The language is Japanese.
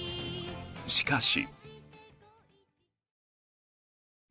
しかし。